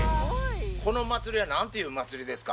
この祭りはなんていう祭りですか？